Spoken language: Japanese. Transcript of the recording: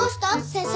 先生。